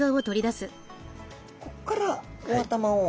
こっからお頭を。